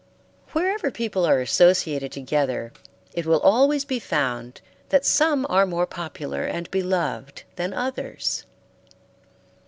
Wherever people are associated together it will always be found that some are more popular and beloved than others.